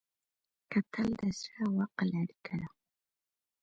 کتل د زړه او عقل اړیکه ده